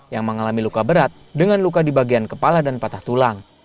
yang mengalami luka berat dengan luka di bagian kepala dan patah tulang